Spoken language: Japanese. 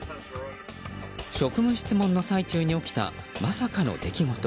職務質問の最中に起きたまさかの出来事。